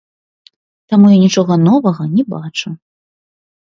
Таму я нічога новага не бачу.